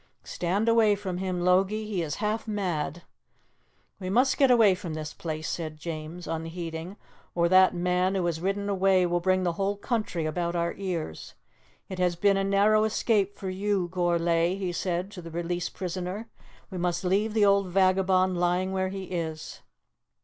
"Stand away from him, Logie, he is half mad." "We must get away from this place," said James, unheeding, "or that man who has ridden away will bring the whole country about our ears. It has been a narrow escape for you, Gourlay," he said to the released prisoner. "We must leave the old vagabond lying where he is."